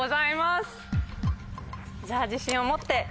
じゃあ自信を持って。